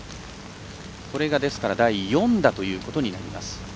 これが第４打ということになります。